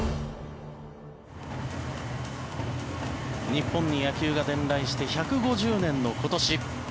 日本に野球が伝来して１５０年の今年。